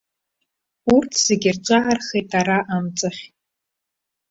Урҭ зегь рҿаархеит ара амҵахь.